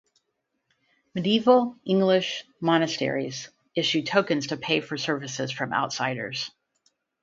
Medieval English monasteries issued tokens to pay for services from outsiders.